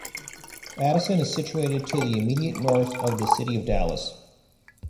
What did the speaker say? Addison is situated to the immediate north of the city of Dallas.